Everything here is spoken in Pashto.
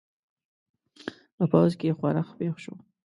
په پوځ کې ښورښ پېښ شو.